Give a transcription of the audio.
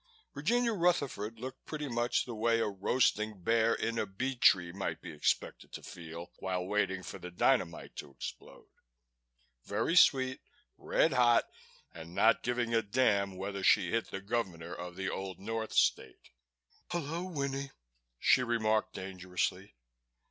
Virginia Rutherford looked pretty much the way a roasting bear in a bee tree might be expected to feel while waiting for the dynamite to explode: very sweet, red hot and not giving a damn whether she hit the Governor of the Old North State. "Hullo, Winnie," she remarked dangerously.